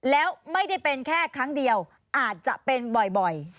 แล้วไม่ได้เป็นแค่ครั้งเดียวอาจจะเป็นบ่อย